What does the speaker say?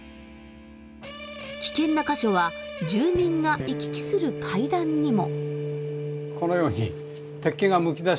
危険な箇所は住民が行き来する階段にも。